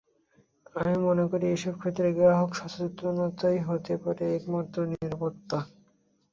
আমি মনে করি, এসব ক্ষেত্রে গ্রাহক সচেতনতাই হতে পারে একমাত্র নিরাপত্তা।